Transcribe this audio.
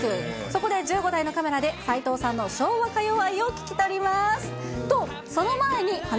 そこで、１５台のカメラで齊藤さんの昭和歌謡愛を聞き取ります。